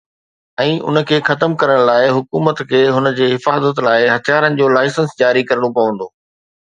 ۽ ان کي ختم ڪرڻ لاءِ ، حڪومت کي هن جي حفاظت لاءِ هٿيارن جو لائسنس جاري ڪرڻو پوندو.